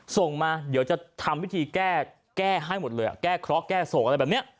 ส่งมาเดี๋ยวจะทำพิธีแก้ให้หมดเลยแก้เคราะห์แก้โศกอะไรแบบนี้